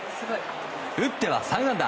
打っては３安打。